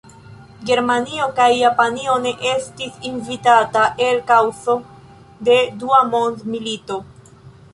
Germanio kaj Japanio ne estis invitata el kaŭzo de Dua mondmilito.